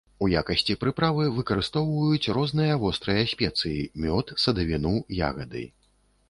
У якасці прыправы выкарыстоўваюць розныя вострыя спецыі, мёд, садавіну, ягады.